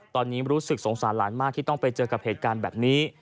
ตอนนี้รู้สึกสงสารหลานมากที่ต้องไปเจอกับเหตุการณ์แบบนี้